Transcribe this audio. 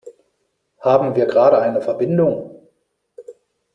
Haben wir gerade eine Verbindung?